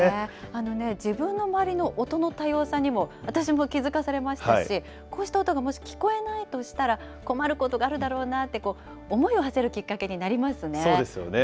あのね、自分の周りの音の多様さにも私も気付かされましたし、こうした音がもし聞こえないとしたら、困ることがあるだろうなと、思いをはせそうですよね。